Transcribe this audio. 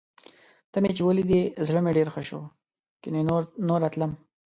ته مې چې ولیدې، زړه مې ډېر ښه شو. کني نوره تلم.